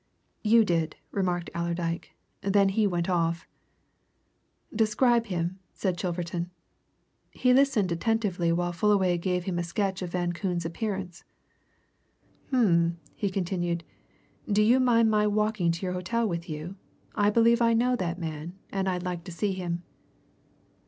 "You did," remarked Allerdyke. "Then he went off." "Describe him," said Chilverton. He listened attentively while Fullaway gave him a sketch of Van Koon's appearance. "Um!" he continued. "Do you mind my walking to your hotel with you? I believe I know that man, and I'd like to see him."